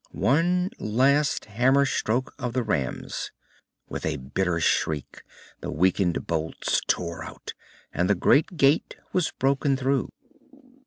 One last hammer stroke of the rams. With a bitter shriek the weakened bolts tore out, and the great gate was broken through.